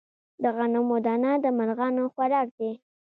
د غنمو دانه د مرغانو خوراک دی.